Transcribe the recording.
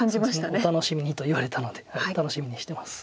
「お楽しみに！」と言われたので楽しみにしてます。